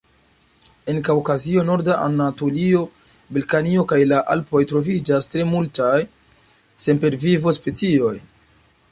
En Kaŭkazio, norda Anatolio, Balkanio kaj la Alpoj troviĝas tre multaj sempervivo-specioj.